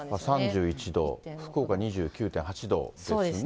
３１度。福岡２９．８度ですね。